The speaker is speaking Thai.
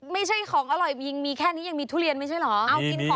ไม่ใช่ของอร่อยยิงมีแค่นี้ยังมีทุเรียนไม่ใช่เหรอ